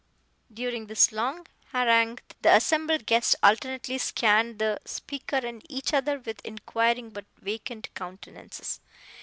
During this long harangue the assembled guests alternately scanned the speaker and each other with inquiring but vacant countenances.